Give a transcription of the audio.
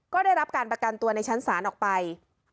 ก็ได้รับการประกันตัวในชั้นศาลออกไป